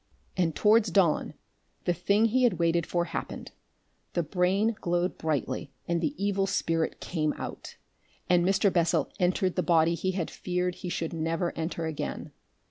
And towards dawn the thing he had waited for happened, the brain glowed brightly and the evil spirit came out, and Mr. Bessel entered the body he had feared he should never enter again.